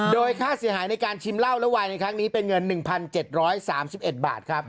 โดยค่าเสียหายในการชิมเหล้าและวายในครั้งนี้เป็นเงิน๑๗๓๑บาทครับ